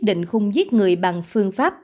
định khung giết người bằng phương pháp